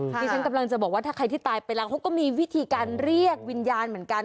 ที่ฉันกำลังจะบอกว่าถ้าใครที่ตายไปแล้วเขาก็มีวิธีการเรียกวิญญาณเหมือนกัน